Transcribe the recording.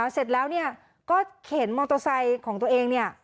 เสร็จแล้วเนี่ยก็เข็นมอเตอร์ไซค์ของตัวเองเนี่ย